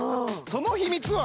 その秘密は